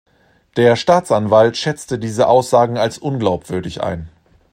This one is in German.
Der Staatsanwalt schätzte diese Aussagen als unglaubwürdig ein.